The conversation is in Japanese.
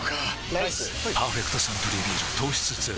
ライス「パーフェクトサントリービール糖質ゼロ」